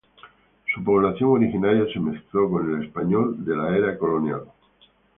Su población originaria se mezcló con el español de la era colonial.